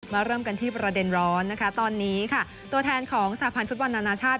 เริ่มกันที่ประเด็นร้อนนะคะตอนนี้ค่ะตัวแทนของสหพันธ์ฟุตบอลนานาชาติ